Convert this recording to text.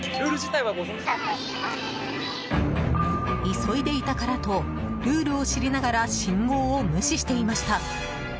急いでいたからとルールを知りながら信号を無視していました。